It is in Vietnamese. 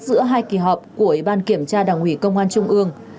giữa hai kỳ họp của ủy ban kiểm tra đảng ủy công an trung ương